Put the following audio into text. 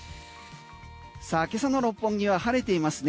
今朝の六本木は晴れていますね